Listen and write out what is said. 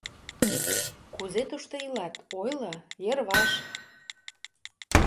— Кузе тушто илат, ойло, йырваш...